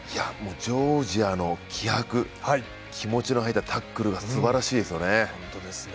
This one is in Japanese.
ジョージアの気迫気持ちの入ったタックルがすばらしいですよね。